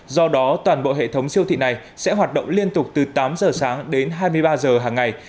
do đó toàn bộ hệ thống siêu thị này sẽ hoạt động liên tục từ tám giờ sáng đến hai mươi ba giờ hàng ngày